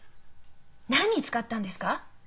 何に使ったんですか？